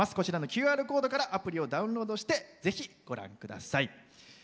ＱＲコードからアプリをダウンロードしてぜひ、ご覧ください。